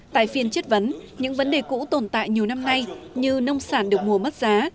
tại phiên chất vấn những vấn đề cũ tồn tại nhiều năm nay như nông sản được mua mất giá